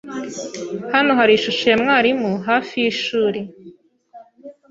Hano hari ishusho ya mwarimu hafi yishuri